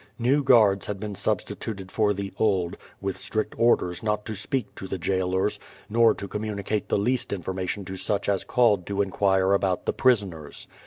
New guards had been substituted for the old, with strict orders not to speak to the jailors, nor to communicate the least information to such as called to inquire about the prisoners.